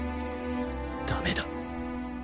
ダメだ